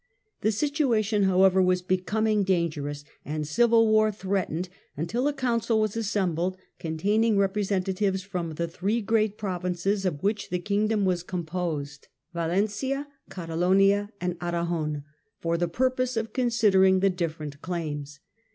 The situation, however, was becoming danger ous and civil war threatened, until a Council was as sembled containing representatives from the three great Provinces of which the Kingdom was composed, Valen 252 THE END OF THE MIDDLE AGE cia, Catalonia and Aragon, for the purpose of considering the different claims.